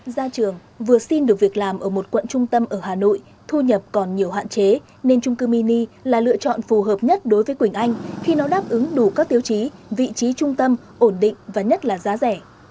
gia trường vừa xin được việc làm ở một quận trung tâm ở hà nội thu nhập còn nhiều hạn chế nên trung cư mini là lựa chọn phù hợp nhất đối với quỳnh anh khi nó đáp ứng đủ các tiêu chí vị trí trung tâm ổn định và nhất là giá rẻ